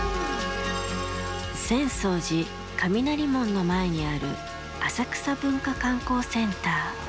浅草寺・雷門の前にある、浅草文化観光センター。